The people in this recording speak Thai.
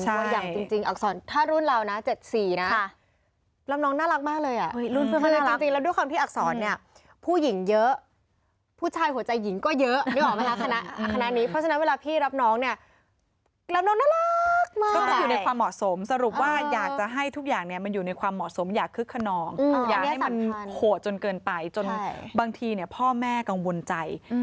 ใช่คืออย่างจริงอักษรถ้ารุ่นเรานะเจ็ดสี่นะ